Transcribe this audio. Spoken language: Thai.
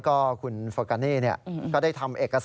ฟังเสียงคุณฟอร์กันนี่โมฮามัทอัตซันนะครับ